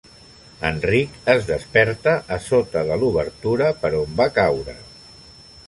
En Rick es desperta a sota de l'obertura per on va caure.